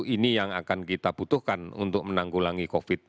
ini yang akan kita butuhkan untuk menanggulangi covid